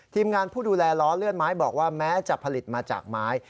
ทีมงานผู้ดูแลล้อเลื่อนไม้บอกว่าแม้จะผลิตมาจากไม้